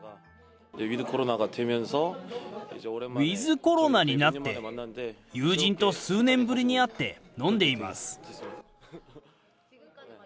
ウィズコロナになって、友人と数年ぶりに会って、飲んでいます。